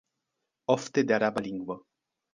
Ofte de Araba lingvo.